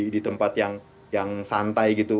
di tempat yang santai gitu